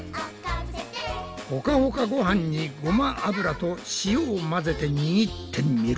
ホカホカごはんにごま油と塩を混ぜてにぎってみる。